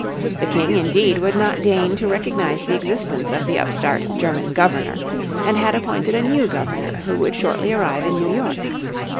The King indeed would not deign to recognise the existence of the upstart German "governor," and had appointed a new Governor who would shortly arrive in New York.